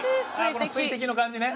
この水滴の感じね。